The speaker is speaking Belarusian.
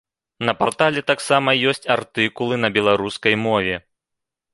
На партале таксама ёсць артыкулы на беларускай мове.